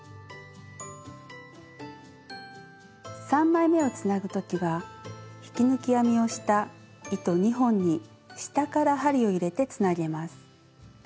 ３枚めをつなぐ時は引き抜き編みをした糸２本に下から針を入れてつなげます。